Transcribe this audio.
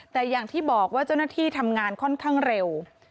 แต่อย่างที่บอกว่าเจ้าหน้าที่ทำงานค่อนข้างเร็ว